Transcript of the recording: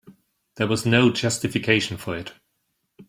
There was no justification for it.